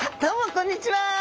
こんにちは。